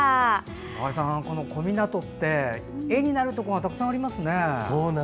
中井さん、小湊って画になるところがたくさんありますね。